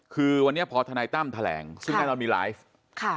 คือวันนี้พอทนายตั้มแถลงซึ่งแน่นอนมีไลฟ์ค่ะ